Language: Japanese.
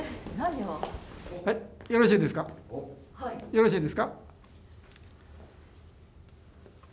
よろしいですか？